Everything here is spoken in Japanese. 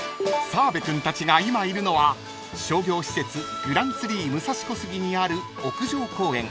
［澤部君たちが今いるのは商業施設グランツリー武蔵小杉にある屋上公園